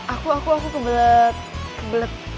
aku aku aku kebelet